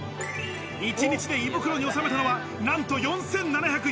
一日で胃袋に収めたのはなんと４７４０ｋｃａｌ。